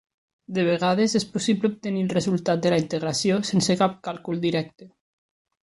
De vegades, és possible obtenir el resultat de la integració sense cap càlcul directe.